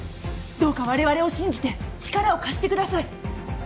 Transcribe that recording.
どうかわれわれを信じて力を貸してください。